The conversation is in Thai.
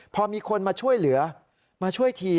พอมีคนมาช่วยเหลือมาช่วยที